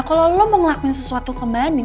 kalau lo mau ngelakuin sesuatu ke mbak andin